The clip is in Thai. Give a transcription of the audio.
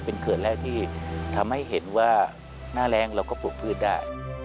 เป็นเขื่อนแรกที่ทำให้เห็นว่าหน้าแรงเราก็ปลูกพืชได้